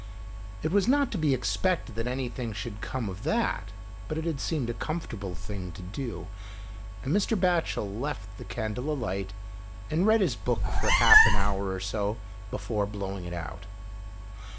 It was not to be expected that anything should come of that, but it had seemed a comfortable thing to do, and Mr. Batchel left the candle alight and read his book for half an hour or so, before blowing it out.